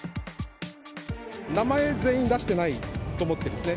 名前、全員出してないと思っているんですね。